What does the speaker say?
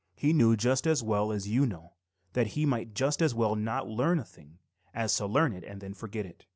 He knew just as well as you know that he might just as well not learn a thing as to learn it and then forget it.